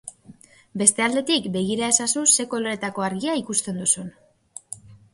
Beste aldetik, begira ezazu ze koloretako argia ikusten duzun.